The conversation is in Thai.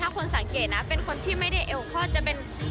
ถ้าคนสังเกตนะเป็นคนที่ไม่ได้เอ้วกูฐุ